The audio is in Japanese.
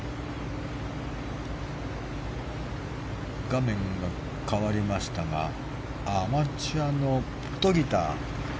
画面が変わりましたがアマチュアのポトギター。